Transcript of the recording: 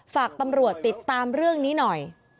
ฝากตำรวจติดตามเรื่องนี้หน่อย